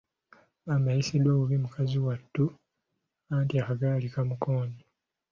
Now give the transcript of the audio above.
Bambi ayisiddwa bubi mukazi wattu anti akagaali kaamukoonye.